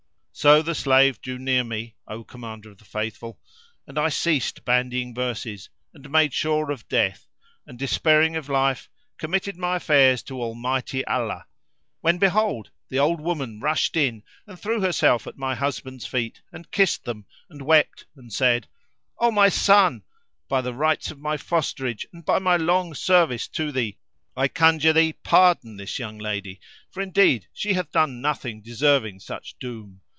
So the slave drew near me, O Commander of the Faithful and I ceased bandying verses and made sure of death and, despairing of life, committed my affairs to Almighty Allah, when behold, the old woman rushed in and threw herself at my husband's feet and kissed them and wept and said, "O my son, by the rights of my fosterage and by my long service to thee, I conjure thee pardon this young lady, for indeed she hath done nothing deserving such doom.